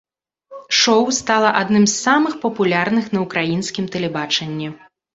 Шоў стала адным з самых папулярных на ўкраінскім тэлебачанні.